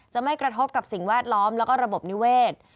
ไม่กระทบกับสิ่งแวดล้อมแล้วก็ระบบนิเวศ